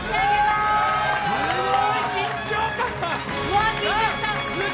すごい緊張感。